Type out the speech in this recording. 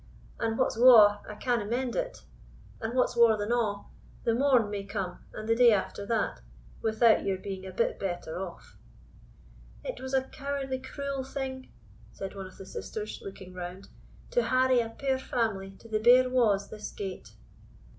And what's waur, I canna mend it; and what's waur than a', the morn may come, and the day after that, without your being a bit better off." "It was a cowardly cruel thing," said one of the sisters, looking round, "to harry a puir family to the bare wa's this gate."